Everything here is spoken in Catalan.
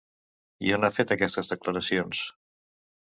I on ha fet aquestes declaracions?